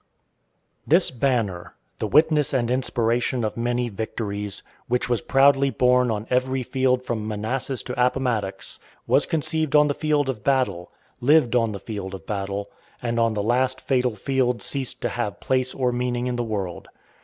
This banner, the witness and inspiration of many victories, which was proudly borne on every field from Manassas to Appomattox, was conceived on the field of battle, lived on the field of battle, and on the last fatal field ceased to have place or meaning in the world.